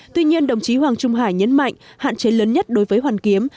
tuy nhiên đồng chí hoàng trung hải nhấn mạnh hạn chế lớn nhất đối với hoàn kiếm